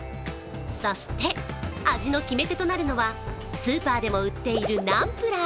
そして、味の決め手となるのはスーパーでも売っているナンプラー。